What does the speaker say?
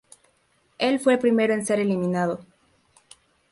Él fue el primero en ser eliminado.